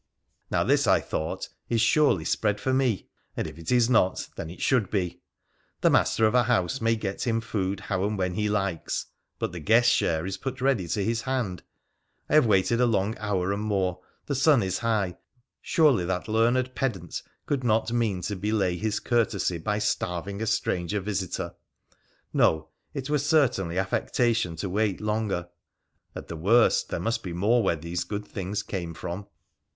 ' Now this, I thought, is surely spread for me, and if it is not then it should be. The master of a house may get him food how and when he likes ; but the guest's share is put ready to his hand. I have waited a long hour and more, the sun is high, surely that learned pedant could not mean to belay his courtesy by starving a stranger visitor ! No, it were certainly affectation to wait longer : at the worst there must be more where these good things came from.'